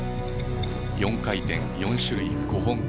４回転４種類５本。